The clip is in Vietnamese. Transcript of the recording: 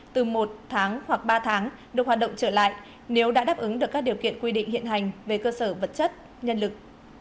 từ một tháng hoặc ba tháng được hoạt động trở lại nếu đã đáp ứng được các điều kiện quy định hiện hành về cơ sở vật chất nhân lực